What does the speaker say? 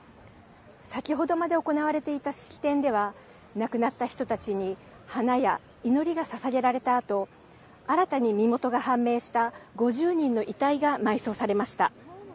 先ほどまで行われていた式典では亡くなった人たちに花や祈りがささげられたあと新たに身元が判明した５０人の遺体が埋葬されました。